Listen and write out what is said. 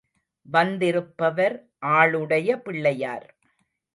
வந்திருப்பவர் ஆளுடைய பிள்ளையார்.